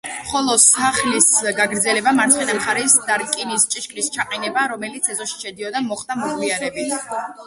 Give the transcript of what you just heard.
ხოლო სახლის გაგრძელება მარცხენა მხარეს და რკინის ჭიშკრის ჩაყენება, რომელიც ეზოში შედიოდა, მოხდა მოგვიანებით.